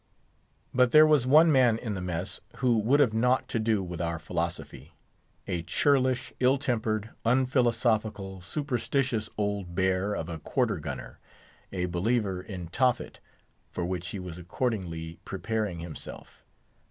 But there was one man in the mess who would have naught to do with our philosophy—a churlish, ill tempered, unphilosophical, superstitious old bear of a quarter gunner; a believer in Tophet, for which he was accordingly preparing himself.